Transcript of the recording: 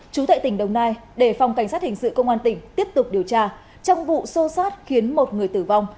chú tệ tỉnh đồng nai để phòng cảnh sát hình sự công an tỉnh tiếp tục điều tra trong vụ sâu sát khiến một người tử vong